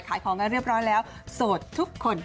ขายของกันเรียบร้อยแล้วโสดทุกคน